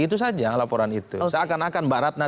itu saja laporan itu seakan akan mbak ratna